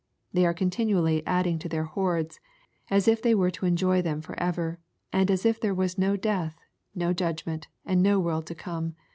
They are continually adding to their hoards, as if they were to enjoy them forever, and as if there was no death, no judgment, and no world to come.